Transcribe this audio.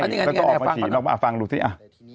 แล้วก็ออกมาเขียนมาฟังดูสิอ่ะ